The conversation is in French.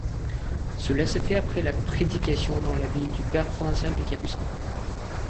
Cela s'est fait après la prédication dans la ville du père provincial des capucins.